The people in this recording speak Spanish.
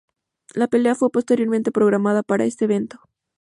La pelea fue posteriormente reprogramada para este evento.